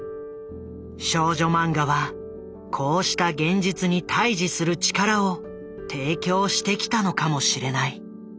少女マンガはこうした現実に対峙する力を提供してきたのかもしれない。